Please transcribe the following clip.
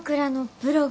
ブログ？